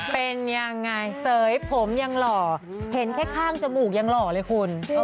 เป็นยังไงเสยผมยังหล่อเห็นแค่ข้างจมูกยังหล่อเลยคุณ